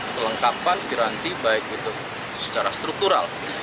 kelengkapan piranti baik itu secara struktural